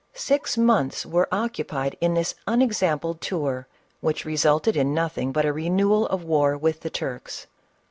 Six months were occupied in this unexampled tour, which resulted in nothing but a renewal of the war with the Turks.